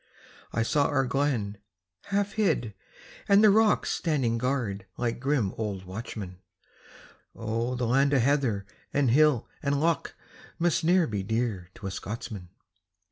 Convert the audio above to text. I saw our glen, half hid, and the rocks Standing guard like grim old watchmen. Oh, the land o' heather and hill and loch Must e'en be dear to a Scotchman.